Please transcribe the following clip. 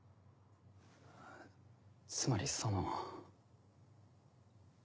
つまりその。